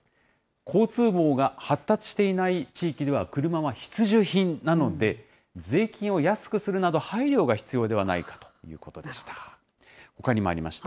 交通網が発達していない地域では車は必需品なので、税金を安くするなど、配慮が必要ではないかということでした。